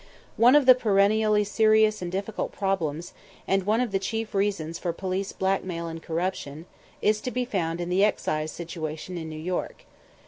One of the perennially serious and difficult problems, and one of the chief reasons for police blackmail and corruption, is to be found in the excise situation in New York.